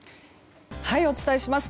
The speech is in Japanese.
お伝えします。